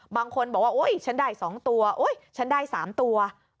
บางคนบอกว่าโอ๊ยฉันได้๒ตัวโอ๊ยฉันได้๓ตัว